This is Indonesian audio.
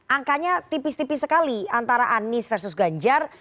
angkanya tipis tipis sekali antara anies versus ganjar